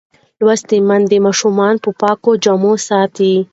لوستې میندې ماشومان په پاکو جامو ساتي.